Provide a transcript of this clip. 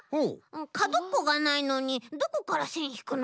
かどっこがないのにどこからせんひくの？